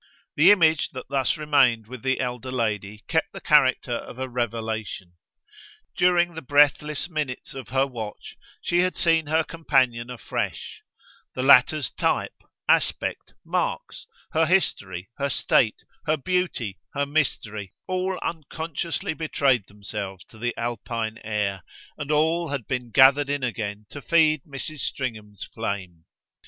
The image that thus remained with the elder lady kept the character of a revelation. During the breathless minutes of her watch she had seen her companion afresh; the latter's type, aspect, marks, her history, her state, her beauty, her mystery, all unconsciously betrayed themselves to the Alpine air, and all had been gathered in again to feed Mrs. Stringham's flame.